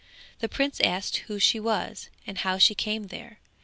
The prince asked who she was and how she came there.